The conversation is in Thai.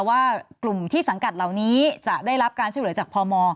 ว่ากลุ่มที่สังกัดเหล่านี้จะได้รับการช่วยเหลือจากพม